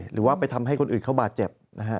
หรือว่าไปทำให้คนอื่นเขาบาดเจ็บนะฮะ